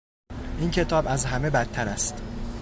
این کتاب از همه بدتر است.